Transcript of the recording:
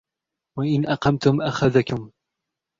وَإِنْ أَقَمْتُمْ أَخَذَكُمْ